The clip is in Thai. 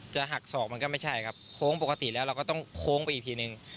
จะหักศอกจะไม่ใช่โค้งปกติแล้วเราก็ต้องโค้งไปอีกทีหนึ่ง